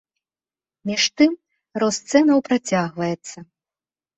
Між тым, рост цэнаў працягваецца.